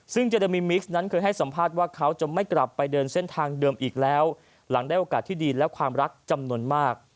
ซึ่งเจดามิมิกซนั้นเคยให้สัมภาษณ์ว่าเขาจะไม่กลับไปเดินเส้นทางเดิมอีกแล้วหลังได้โอกาสที่ดีและความรักจำนวนมาก